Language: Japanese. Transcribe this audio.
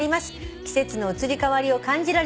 「季節の移り変わりを感じられるひとときです」